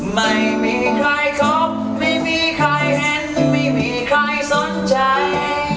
ไม่มีใครคบไม่มีใครเห็นไม่มีใครสนใจ